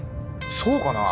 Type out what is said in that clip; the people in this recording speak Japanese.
そうかな？